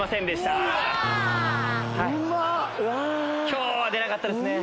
今日は出なかったですね。